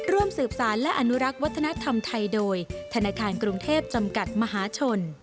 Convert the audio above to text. ร่วมสืบสารและอนุรักษ์วัฒนธรรมไทยโดยธนาคารกรุงเทพจำกัดมหาชน